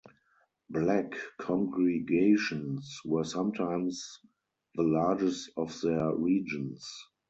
Black congregations were sometimes the largest of their regions.